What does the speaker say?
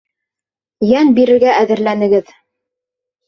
Йән бирергә әҙерләнегеҙ.